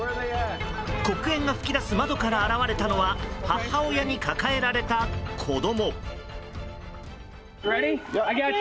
黒煙が噴き出す窓から現れたのは母親に抱えられた子供。